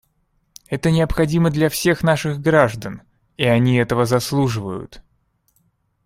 Это необходимо для всех наших граждан, и они этого заслуживают.